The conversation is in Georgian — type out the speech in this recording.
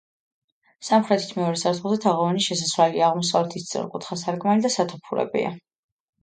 სამხრეთით მეორე სართულზე თაღოვანი შესასვლელია, აღმოსავლეთით სწორკუთხა სარკმელი და სათოფურებია.